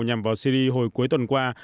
nhằm vào syri hồi cuối tuần qua